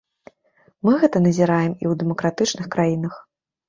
Мы гэта назіраем і ў дэмакратычных краінах.